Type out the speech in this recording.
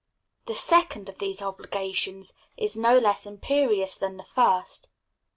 The second of these obligations is no less imperious than the first.